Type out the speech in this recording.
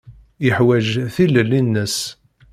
Yeḥwaǧ tilelli-nnes.